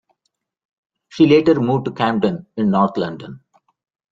She later moved to Camden in North London.